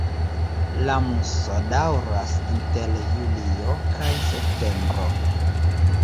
La musono daŭras inter julio kaj septembro.